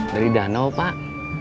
dari danau pak